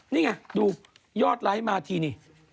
นี่ไงดูยอดไลค์มาทีนี่